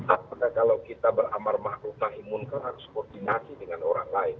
apakah kalau kita beramar mahrum nahi munkar harus koordinasi dengan orang lain